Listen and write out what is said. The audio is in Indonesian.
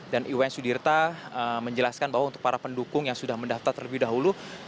dan iwaya sudirta menjelaskan bahwa untuk para pendukung yang sudah mendaftar terlebih dahulu